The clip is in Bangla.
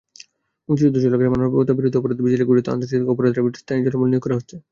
মুক্তিযুদ্ধকালে মানবতাবিরোধী অপরাধ বিচারে গঠিত আন্তর্জাতিক অপরাধ ট্রাইব্যুনালে স্থায়ী জনবল নিয়োগ করা হচ্ছে।